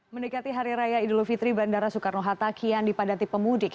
mendekati hari raya idul fitri bandara soekarno hatta kian dipadati pemudik